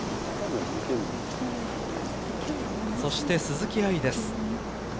そして鈴木愛です。